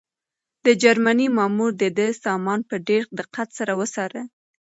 د جرمني مامور د ده سامان په ډېر دقت سره وڅاره.